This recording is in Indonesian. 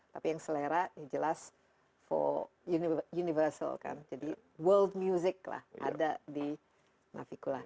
tapi yang selera jelas universal kan jadi world music lah ada di navikula